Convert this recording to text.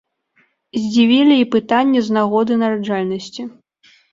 Здзівілі і пытанні з нагоды нараджальнасці.